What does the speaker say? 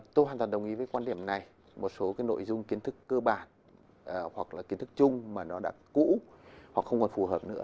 tôi hoàn toàn đồng ý với quan điểm này một số nội dung kiến thức cơ bản hoặc là kiến thức chung mà nó đã cũ hoặc không còn phù hợp nữa